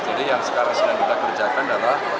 jadi yang sekarang kita kerjakan adalah